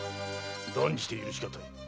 断じて許しがたい。